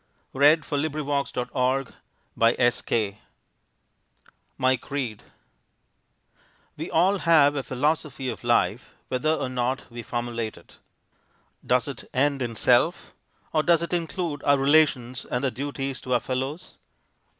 Press on, press on! Park Benjamin. MY CREED We all have a philosophy of life, whether or not we formulate it. Does it end in self, or does it include our relations and our duties to our fellows?